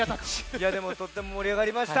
いやでもとってももりあがりました。